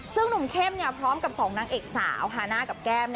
ซึ่งหนุ่มเข้มพร้อมกับ๒นางเอกสาวฮาน่ากับแก้ม